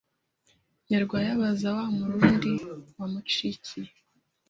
Nyarwaya abaza wa murundi wamucikiye